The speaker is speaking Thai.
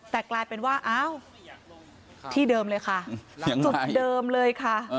แต่กลายเป็นว่าอ้าวที่เดิมเลยค่ะจุดเดิมเลยค่ะ